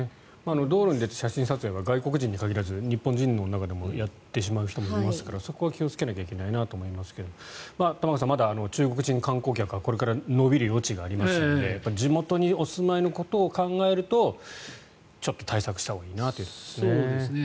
道路に出て写真撮影は外国人に限らず日本人の中でもやってしまう人もいますからそこは気をつけなければいけないなと思いますが玉川さん、まだ中国人観光客はこれからまだ伸びる余地がありますので地元にお住まいのことを考えるとちょっと対策したほうがいいなというところですね。